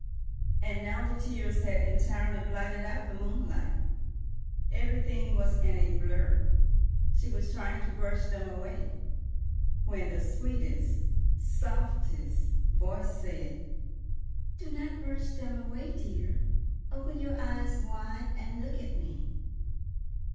And now the tears had entirely blotted out the moonlight; everything was in a blur. She was trying to brush them away, when the sweetest, softest voice said, "Do not brush them away, dear; open your eyes wide and look at me."